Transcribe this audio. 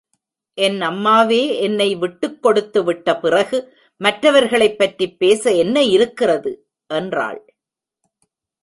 என் அம்மாவே என்னை விட்டுக் கொடுத்து விட்ட பிறகு மற்றவர்களைப் பற்றிப் பேச என்ன இருக்கிறது? என்றாள்.